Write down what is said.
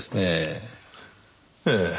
ええ。